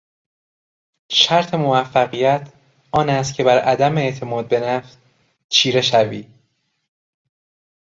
شرط موفقیت آن است که بر عدم اعتماد به نفس چیره شوی!